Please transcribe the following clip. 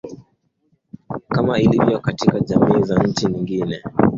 kama ilivyo katika jamii za nchi nyingine